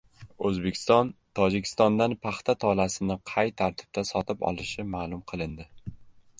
O‘zbekiston Tojikistondan paxta tolasini qay tartibda sotib olishi ma’lum qilindi